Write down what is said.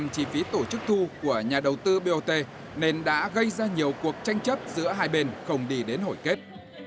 chi phí tổ chức thu của nhà đầu tư bot nên đã gây ra nhiều cuộc tranh chấp giữa hai bên không đi đến hội kết